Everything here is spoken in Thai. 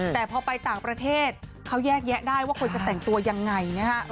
แต่พอไปต่างประเทศเขาแยกแยะได้ว่าควรจะแต่งตัวยังไงนะฮะ